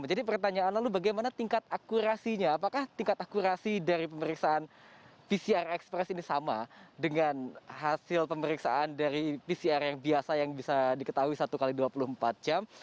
jadi pertanyaan lalu bagaimana tingkat akurasinya apakah tingkat akurasi dari pemeriksaan pcr express ini sama dengan hasil pemeriksaan dari pcr yang biasa yang bisa diketahui satu x dua puluh empat jam